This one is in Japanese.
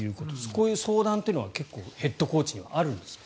こういう相談というのは結構、ヘッドコーチにはあるんですか？